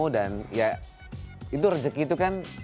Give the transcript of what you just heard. dan ya itu rejeki itu kan